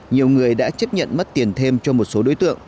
nhiều người đã chấp nhận mất tiền thêm cho một số đối tượng